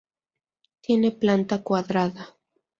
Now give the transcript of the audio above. Tiene planta cuadrada.